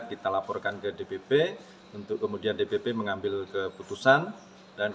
kita belum sampai kesana